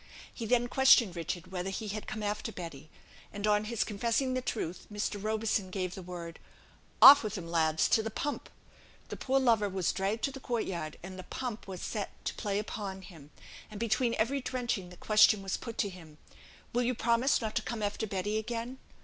He then questioned Richard whether he had come after Betty; and on his confessing the truth, Mr. Roberson gave the word, "Off with him, lads, to the pump!" The poor lover was dragged to the court yard, and the pump set to play upon him; and, between every drenching, the question was put to him, "Will you promise not to come after Betty again?"